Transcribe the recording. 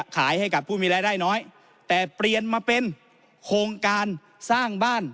ขายให้กับผู้มีรายได้น้อยแต่เปลี่ยนมาเป็นโครงการสร้างบ้าน